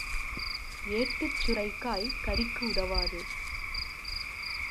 ஏட்டுச் சுரைக்காய் கறிக்கு உதவாது.